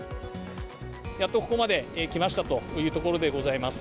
やっとここまで来ましたというところでございます。